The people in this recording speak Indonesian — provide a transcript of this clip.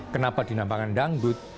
kenapa dinampakan dangdut